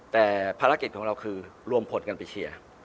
แต่ภารกิจของเราคือรวมผลกันไปเชียร์